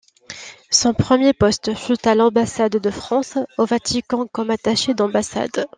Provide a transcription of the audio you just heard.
Son premier poste fut à l'Ambassade de France au Vatican comme attaché d'ambassade.